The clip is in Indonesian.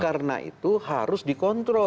karena itu harus dikontrol